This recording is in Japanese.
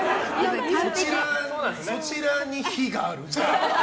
そちらに非がある。